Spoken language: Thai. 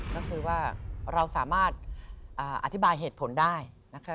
ก็คือว่าเราสามารถอธิบายเหตุผลได้นะคะ